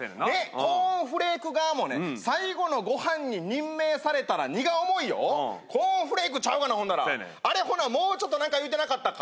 コーンフレーク側もね最後のごはんに任命されたら荷が重いよコーンフレークちゃうがなほんならもうちょっとなんか言うてなかったか？